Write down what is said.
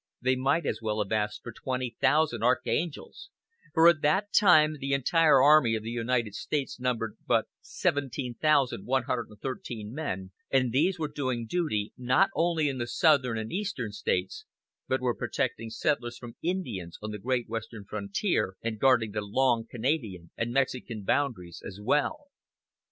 They might as well have asked for twenty thousand archangels, for at that time the entire army of the United States numbered but 17,113 men, and these were doing duty, not only in the Southern and Eastern States, but were protecting settlers from Indians on the great western frontier, and guarding the long Canadian and Mexican boundaries as well.